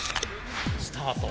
スタート。